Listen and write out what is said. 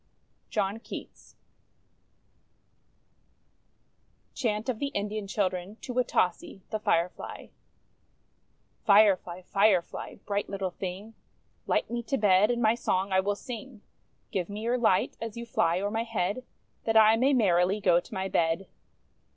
JOHN KEATS CHANT OF THE INDIAN CHILDREN TO WATASEE, THE FIREFLY Firefly! Firefly! Bright little thing, Light me to bed, and my song I will sing. Give me your light, as you fly o'er my head, That I may merrily go to my bed.